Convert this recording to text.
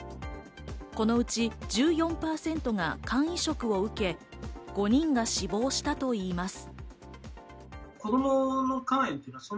このうち１４％が肝移植を受け、５人が死亡したといいます。